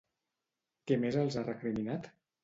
Què més els ha recriminat?